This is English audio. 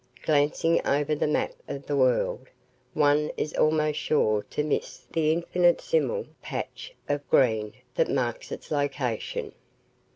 Glancing over the map of the world, one is almost sure to miss the infinitesimal patch of green that marks its location.